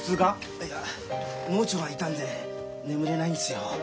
あいや盲腸が痛んで眠れないんすよ。